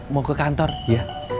mau ke kantor ya